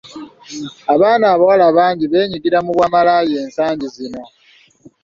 Abaana abawala bangi beenyigira mu bwamalaaya ensangi zino.